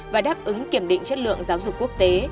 và đáp ứng kiểm định chất lượng giáo dục quốc tế